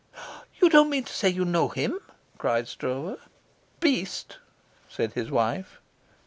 "You don't mean to say you know him?" cried Stroeve. "Beast," said his wife.